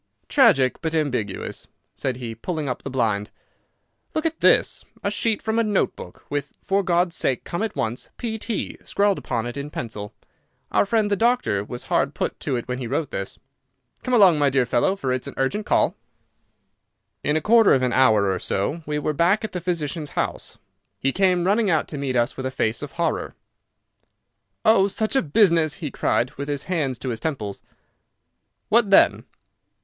"Tragic, but ambiguous," said he, pulling up the blind. "Look at this—a sheet from a note book, with 'For God's sake come at once—P.T.,' scrawled upon it in pencil. Our friend, the doctor, was hard put to it when he wrote this. Come along, my dear fellow, for it's an urgent call." In a quarter of an hour or so we were back at the physician's house. He came running out to meet us with a face of horror. "Oh, such a business!" he cried, with his hands to his temples. "What then?"